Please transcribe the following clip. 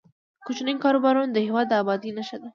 کوچني کاروبارونه د هیواد د ابادۍ نښه ده.